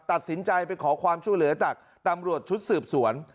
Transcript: ตัดสินใจไปขอความช่วยเหลือจากตำรวจชุดสืบสวน